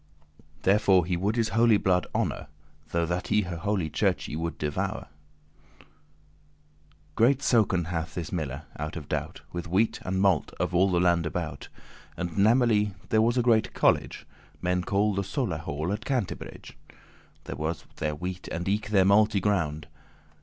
Therefore he would his holy blood honour Though that he holy Churche should devour. Great soken* hath this miller, out of doubt, *toll taken for grinding With wheat and malt, of all the land about; And namely* there was a great college *especially Men call the Soler Hall at Cantebrege,<4> There was their wheat and eke their malt y ground.